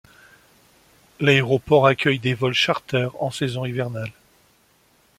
L'aéroport accueille des vols charters en saison hivernale.